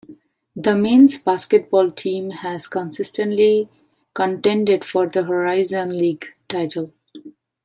The men's basketball team has consistently contended for the Horizon League title.